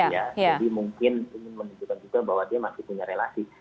jadi mungkin ini juga menunjukkan bahwa dia masih punya relasi